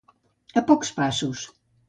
A pocs passos.